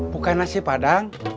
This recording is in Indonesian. bukai nasi padang